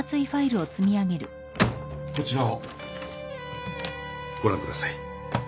こちらをご覧ください。